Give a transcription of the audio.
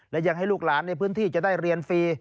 และยังให้ลูกหลานในพื้นที่จะได้เรียนฟรี